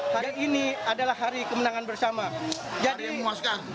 hari ini adalah hari kemenangan bersama